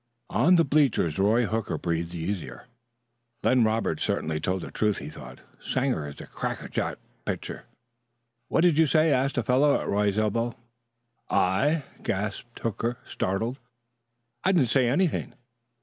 On the bleachers Roy Hooker breathed easier. "Len Roberts certainly told the truth," he thought. "Sanger is a crackerjack pitcher." "What did you say?" asked a fellow at Roy's elbow. "I?" gasped Hooker, startled. "I didn't say anything."